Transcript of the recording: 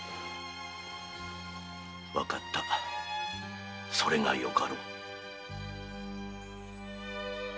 わかったそれがよかろう。